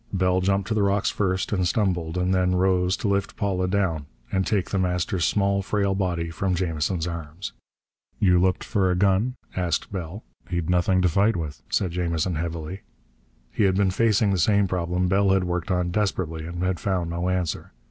Bell jumped to the rocks first, and stumbled, and then rose to lift Paula down and take The Master's small, frail body from Jamison's arms. "You looked for a gun?" asked Bell "He'd nothing to fight with," said Jamison heavily. He had been facing the same problem Bell had worked on desperately, and had found no answer.